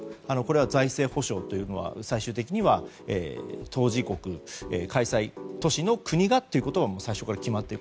財政保証は、最終的には当事国、開催都市の国がということが最初から決まっている。